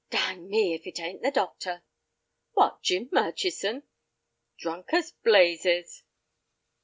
"Dang me if it ain't the doctor." "What, Jim Murchison?" "Drunk as blazes."